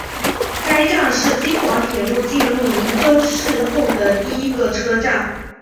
该站是京广铁路进入郴州市后的第一个车站。